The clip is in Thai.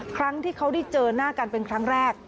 ครั้งที่เขาได้เจอหน้ากันเป็นครั้งแรก